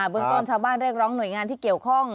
เมืองต้นชาวบ้านเรียกร้องหน่วยงานที่เกี่ยวข้อง